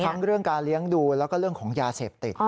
เรื่องการเลี้ยงดูแล้วก็เรื่องของยาเสพติด